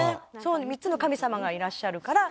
３つの神様がいらっしゃるから」